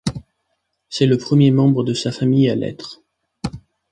C'est le premier membre de sa famille à l'être.